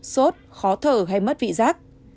sốt khó thở hay mất vị rác